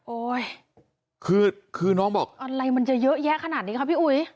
คือคือน้องบอกอะไรมันจะเยอะแยะขนาดนี้ครับพี่อุ๋ย